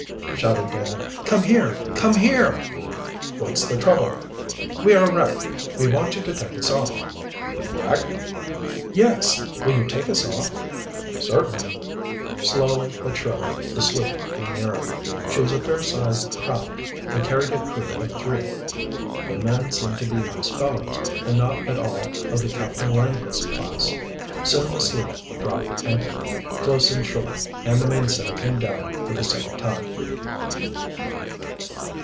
shouted Dan. "Come here! Come here!" "What's the trouble?" "We are wrecked. We want you to take us off." "Wrecked?" "Yes. Will you take us off?" "Certainly." Slowly, but surely, the sloop drew nearer. She was a fair sized craft, and carried a crew of three. The men seemed to be nice fellows, and not at all of the Captain Langless class. Soon the sloop dropped anchor close in shore and the mainsail came down at the same time.